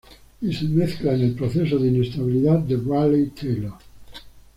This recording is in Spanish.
Y se mezcla en el proceso de inestabilidad Rayleigh-Taylor.